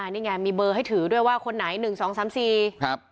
นี่ไงมีเบอร์ให้ถือด้วยว่าคนไหน๑๒๓๔